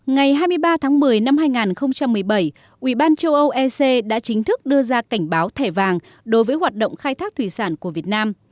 ngày hai mươi ba tháng một mươi năm hai nghìn một mươi bảy ủy ban châu âu ec đã chính thức đưa ra cảnh báo thẻ vàng đối với hoạt động khai thác thủy sản của việt nam